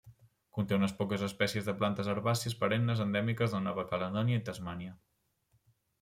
Conté unes poques espècies de plantes herbàcies perennes endèmiques de Nova Caledònia i Tasmània.